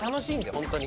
本当に。